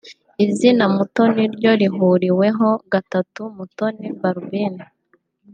izina Mutoni ryo rihuriweho gatatu; Mutoni Balbine